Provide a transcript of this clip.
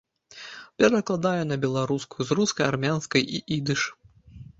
Перакладае на беларускую з рускай, армянскай і ідыш.